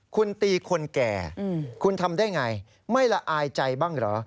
คุณตีคนแก่คุณทำได้ไงไม่ละอายใจบ้างเหรอ